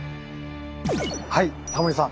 はいタモリさん